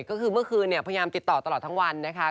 ก็คือเมื่อคืนพยายามติดต่อตลอดทั้งวันนะคะ